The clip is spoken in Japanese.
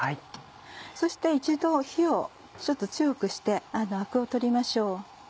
そして一度火をちょっと強くしてアクを取りましょう。